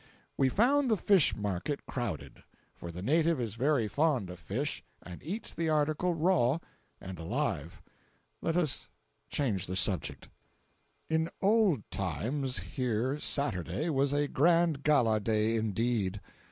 We found the fish market crowded; for the native is very fond of fish, and eats the article raw and alive! Let us change the subject. In old times here Saturday was a grand gala day indeed.